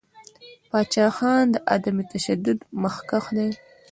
پاچاخان د عدم تشدد مخکښ دی.